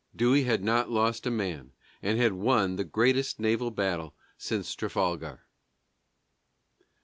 Dewey had not lost a man, and had won the greatest naval battle since Trafalgar.